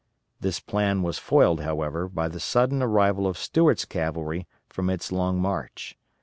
This plan was foiled, however, by the sudden arrival of Stuart's cavalry from its long march.